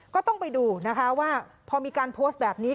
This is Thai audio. ก็ต้องไปดูนะคะว่าพอมีการโพสต์แบบนี้